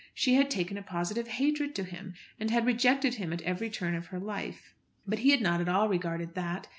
She had taken a positive hatred to him, and had rejected him at every turn of her life. But he had not at all regarded that.